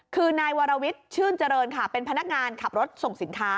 คือนายวรวิทย์ชื่นเจริญค่ะเป็นพนักงานขับรถส่งสินค้า